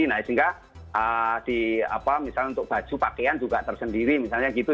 nah sehingga di apa misalnya untuk baju pakaian juga tersendiri misalnya gitu